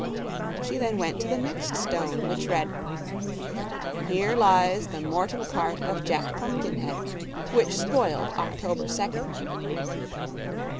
She then went to the next stone, which read: Here Lies the Mortal Part of JACK PUMPKINHEAD Which Spoiled October 2nd.